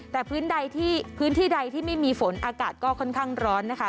แต่พื้นใดที่พื้นที่ใดที่ไม่มีฝนอากาศก็ค่อนข้างร้อนนะคะ